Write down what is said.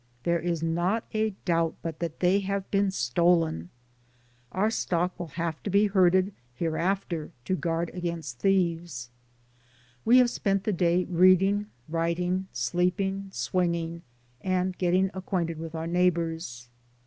There is not a doubt but that they have been stolen. Our stock will have to be DAYS ON THE ROAD. 65 herded, hereafter, to guard against thieves. We have spent the day reading, writing, sleeping, swinging, and getting acquainted with our neighbors.